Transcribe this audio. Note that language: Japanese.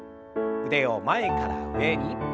腕を前から上に。